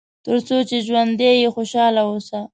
تر څو چې ژوندی یې خوشاله اوسه.